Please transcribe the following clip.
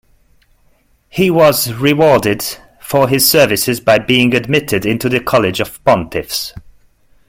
He was rewarded for his services by being admitted into the college of pontiffs.